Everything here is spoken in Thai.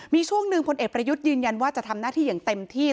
มีช่วงหนึ่งพลเอกประยุทธ์ยืนยันว่าจะทำหน้าที่อย่างเต็มที่